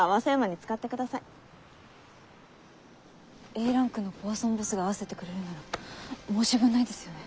Ａランクのポアソンボスが併せてくれるなら申し分ないですよね